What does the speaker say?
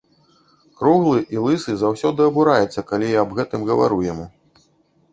Круглы і лысы заўсёды абураецца, калі я аб гэтым гавару яму.